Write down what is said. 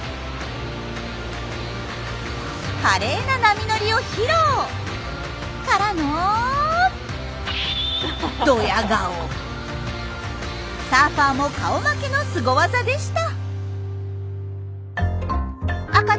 華麗な波乗りを披露！からのサーファーも顔負けのスゴ技でした！